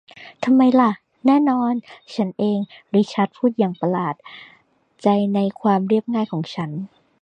ทำไมหละ แน่นอน ฉันเอง ริชาร์ดพูดอย่างประหลาดใจในความเรียบง่ายของฉัน